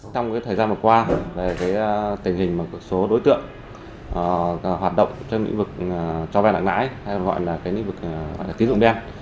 trong thời gian vừa qua tình hình một số đối tượng hoạt động trong lĩnh vực cho vay lãng lãi hay gọi là lĩnh vực tín dụng đem